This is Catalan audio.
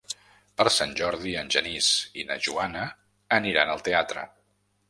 Per Sant Jordi en Genís i na Joana aniran al teatre.